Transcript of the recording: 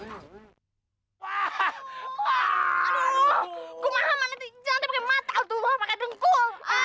aduh gue mah hama nanti jalan dia pake mata aduh luah pake dengkul